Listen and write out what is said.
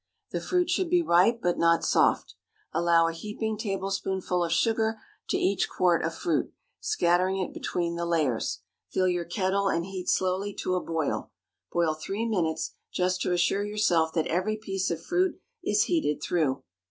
The fruit should be ripe, but not soft. Allow a heaping tablespoonful of sugar to each quart of fruit, scattering it between the layers. Fill your kettle and heat slowly to a boil. Boil three minutes, just to assure yourself that every piece of fruit is heated through.